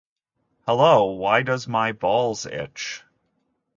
Hello, why does my balls itch?